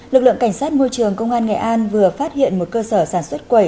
lực lượng cảnh sát môi trường công an nghệ an vừa phát hiện một cơ sở sản xuất quầy